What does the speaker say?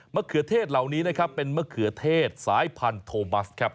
มะเขือเทศเหล่านี้เป็นมะเขือเทศสายพันธุ์โทมัส